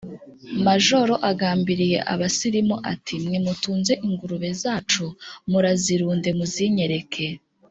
Majoro agambiriye Abasilimu Ati: "Mwe mutunze ingurube zacu, Murazirunde muzinyereke